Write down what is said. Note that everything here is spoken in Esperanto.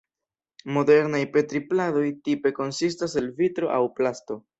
Modernaj Petri-pladoj tipe konsistas el vitro aŭ plasto.